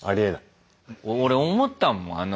俺思ったもん。